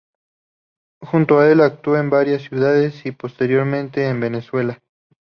Junto a el actuó en varias ciudades y posteriormente en Venezuela.